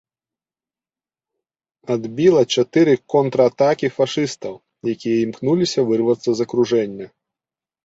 Адбіла чатыры контратакі фашыстаў, якія імкнуліся вырвацца з акружэння.